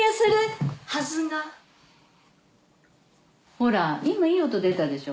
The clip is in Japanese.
ほら今いい音出たでしょ。